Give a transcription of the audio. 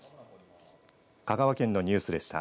香川県のニュースでした。